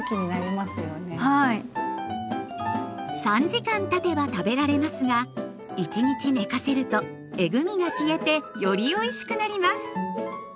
３時間たてば食べられますが１日寝かせるとえぐみが消えてよりおいしくなります。